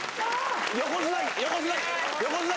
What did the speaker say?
横綱横綱